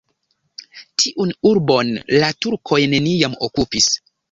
Tiun urbon la turkoj neniam okupis.